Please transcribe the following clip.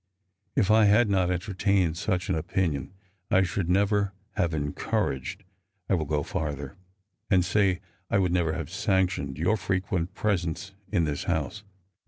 If I had not entertained such an opinion, 1 should never have encouraged — I will go farther, and say I would never have sanctioned — your frequent presence in this house.